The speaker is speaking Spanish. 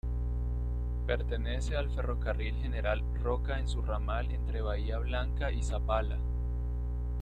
Pertenece al Ferrocarril General Roca en su ramal entre Bahía Blanca y Zapala.